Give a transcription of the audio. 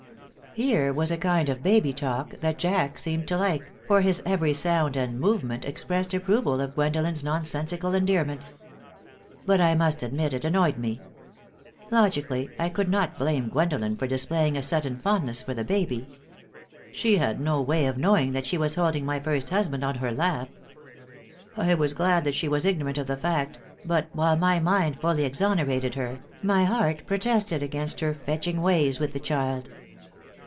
Here was a kind of baby talk that Jack seemed to like, for his every sound and movement expressed approval of Gwendolen's nonsensical endearments. But, I must admit, it annoyed me. Logically, I could not blame Gwendolen for displaying a sudden fondness for the baby. She had no way of knowing that she was holding my first husband on her lap. I was glad that she was ignorant of the fact, but, while my mind fully exonerated her, my heart protested against her fetching ways with the child.